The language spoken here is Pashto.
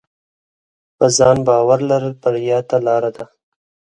په ځان باور لرل بریا ته لار ده.